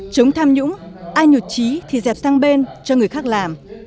chống tham nhũng ai nhụt trí thì dẹp sang bên cho người khác làm